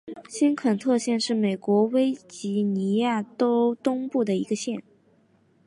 新肯特县是美国维吉尼亚州东部的一个县。